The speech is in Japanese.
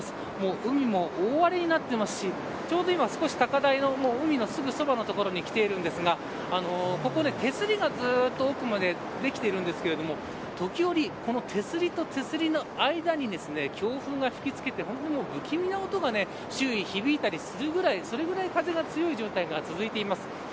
海も大荒れになっていますしちょうど今、高台の海のすぐそばの所に来ているんですがここ、手すりがずっと奥まで出きているんですけれども時折、この手すりと手すりの間に強風が吹きつけて不気味な音が周囲に響いたりするぐらいそれぐらい風が強い状態が続いています。